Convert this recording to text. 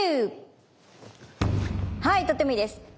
はいとてもいいです。